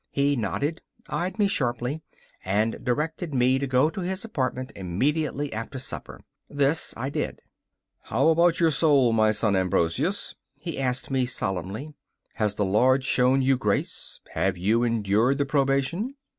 He nodded, eyed me sharply, and directed me to go to his apartment immediately after supper. This I did. 'How about your soul, my son Ambrosius?' he asked me, solemnly. 'Has the Lord shown you grace? Have you endured the probation?